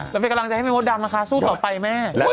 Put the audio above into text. เราเป็นกำลังใจให้ไมโมดดำสู้ต่อไปแม่